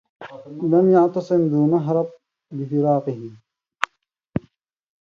لم يعتصم ذو مهرب بفراقه